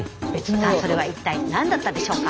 さあそれは一体何だったでしょうか？